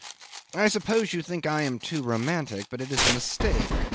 I suppose you think that I too am romantic, but it is a mistake.